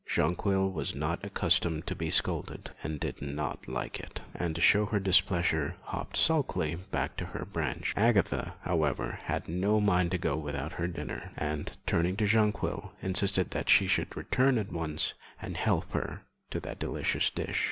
Jonquil was not accustomed to be scolded, and did not like it, and to show her displeasure hopped sulkily back to her branch. Agatha, however, had no mind to go without her dinner, and, turning to Jonquil, insisted that she should return at once and help her to that delicious dish.